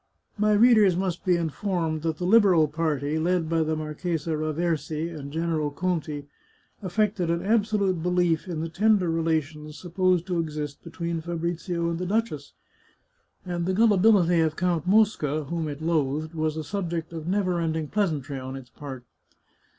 " My readers must be informed that the Liberal party, led by the Marchesa Raversi and General Conti, affected an absolute belief in the tender relations supposed to exist between Fabrizio and the duchess; and the gullibility of Count Mosca, whom it loathed, was a subject of never ending pleasantry on its part.